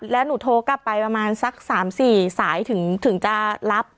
แล้วหนูโทรกลับไปประมาณสัก๓๔สายถึงจะรับ